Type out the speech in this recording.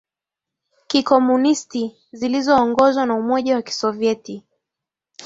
kikomunisti zilizoongozwa na Umoja wa Kisovyeti